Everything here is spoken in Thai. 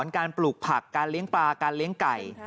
การเลี้ยงปลาการเลี้ยงไก่